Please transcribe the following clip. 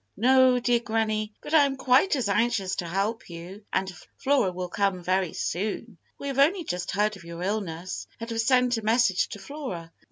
"No, dear granny, but I am quite as anxious to help you, and Flora will come very soon. We have only just heard of your illness, and have sent a message to Flora.